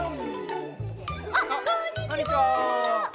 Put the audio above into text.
あっこんにちは！